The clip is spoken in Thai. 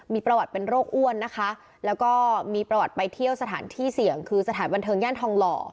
มีประวัติเป็นโรคอ้วนนะคะแล้วก็มีประวัติไปเที่ยวสถานที่เสี่ยงคือสถานบันเทิงย่านทองหล่อ